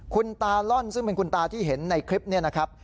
คุณตาล่อนซึ่งเป็นคุณตาที่เห็นในคลิปนี้นะครับ